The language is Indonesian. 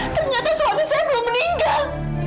ternyata suami saya belum meninggal